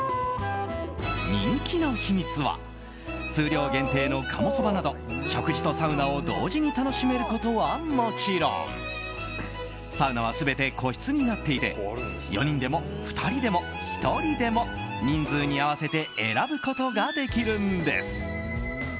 人気の秘密は数量限定の鴨そばなど食事とサウナを同時に楽しめることはもちろんサウナは全て個室になっていて４人でも、２人でも、１人でも人数に合わせて選ぶことができるんです。